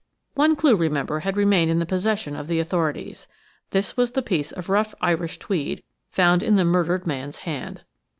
One clue, remember, had remained in the possession of the authorities. This was the piece of rough Irish tweed, found in the murdered man's hand.